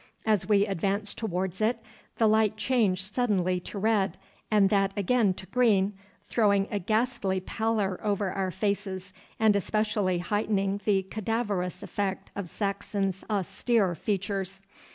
As we advanced towards it the light changed suddenly to red, and that again to green, throwing a ghastly pallor over our faces, and especially heightening the cadaverous effect of Saxon's austere features.